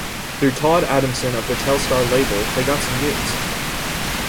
Through Todd Adamson of the Telstar label they got some gigs.